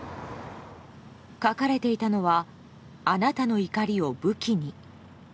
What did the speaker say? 書かれていたのは「あなたの怒りを武器に」。